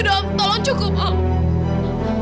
udah tolong cukup om